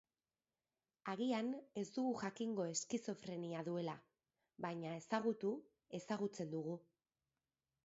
Agian ez dugu jakingo eskizofrenia duela, baina, ezagutu, ezagutzen dugu.